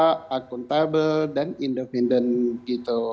dan ada akuntabel dan independen gitu